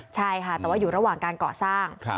ใช่ค่ะแต่ว่าอยู่ระหว่างการก่อสร้าง